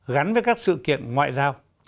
gắn với các sự kiện ngoại giao